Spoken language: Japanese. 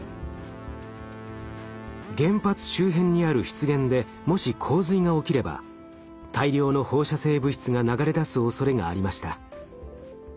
原発周辺にある湿原でもし洪水が起きれば大量の放射性物質が流れ出すおそれがありました。